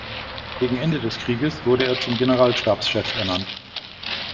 Gegen Ende des Krieges wurde er zum Generalstabschef ernannt.